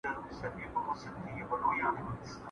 الله پاک، دربارئې پاک